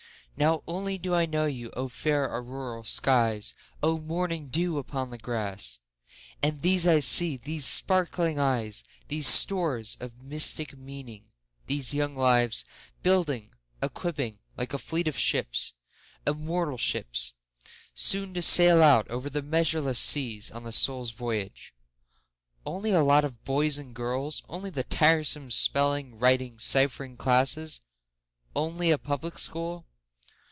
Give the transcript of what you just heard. Now only do I know you!O fair auroral skies! O morning dew upon the grass! And these I see—these sparkling eyes, These stores of mystic meaning—these young lives, Building, equipping, like a fleet of ships—immortal ships! Soon to sail out over the measureless seas, On the Soul's voyage. Only a lot of boys and girls? Only the tiresome spelling, writing, ciphering classes? Only a Public School?